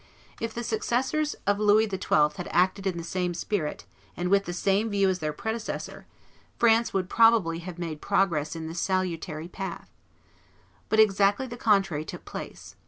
If the successors of Louis XII. had acted in the same spirit and with the same view as their predecessor, France would probably have made progress in this salutary path. But exactly the contrary took place.